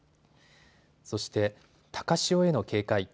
そして高潮への警戒。